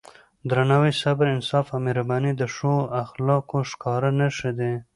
درناوی، صبر، انصاف او مهرباني د ښو اخلاقو ښکاره نښې دي.